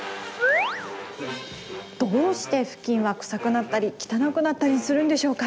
どうして、ふきんは臭くなったり汚くなったりするんでしょうか。